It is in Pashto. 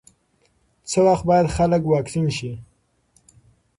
څه وخت باید خلک واکسین شي؟